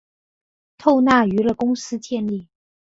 透纳娱乐公司建立。